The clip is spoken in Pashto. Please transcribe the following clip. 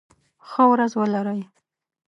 ښه ورځ ولرئ.